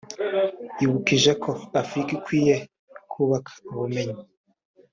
yibukije ko Afurika ikwiye kubaka ubumenyi